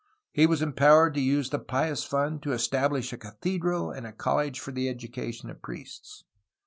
He was empowered to use the Pious Fund to establish a cathedral and a college for the education of priests.